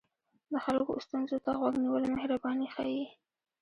د خلکو ستونزو ته غوږ نیول مهرباني ښيي.